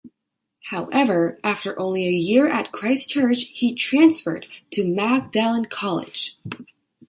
However, after only a year at Christ Church he transferred to Magdalen College.